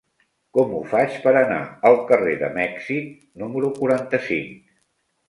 Com ho faig per anar al carrer de Mèxic número quaranta-cinc?